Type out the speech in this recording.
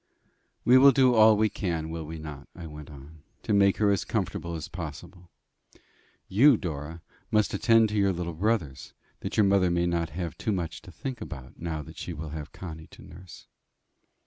"We will do all we can, will we not," I went on, "to make her as comfortable as possible? You, Dora, must attend to your little brothers, that your mother may not have too much to think about now that she will have Connie to nurse."